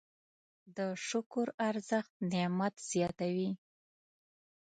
د شکر ارزښت نعمت زیاتوي.